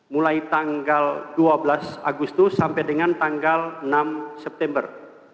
mulai tanggal dua belas agustus sampai dengan tanggal enam september